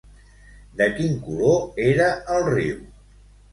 De quin color era el riu?